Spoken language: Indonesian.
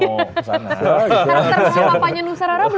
karakter karakternya papanya nusa rara belum ada kan